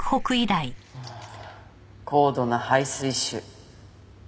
高度な肺水腫。